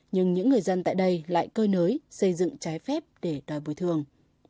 nhưng những người dân tại đây lại cơi nới xây dựng trái phép để đòi bồi thường